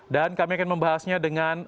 dan kami akan membahasnya dengan